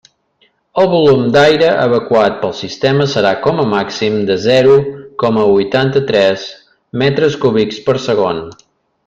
El volum d'aire evacuat pel sistema serà com a màxim de zero coma huitanta-tres metres cúbics per segon.